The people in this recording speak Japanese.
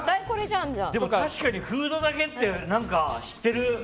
確かにフードだけって何か、知ってる！